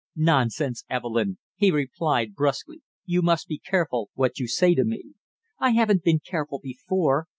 "Nonsense, Evelyn!" he replied bruskly. "You must be careful what you say to me!" "I haven't been careful before!"